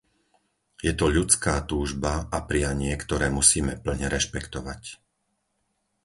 Je to ľudská túžba a prianie, ktoré musíme plne rešpektovať.